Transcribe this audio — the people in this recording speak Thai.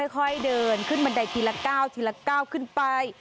ค่อยเดินขึ้นบันไดทีละ๙ทีละก้าวขึ้นไป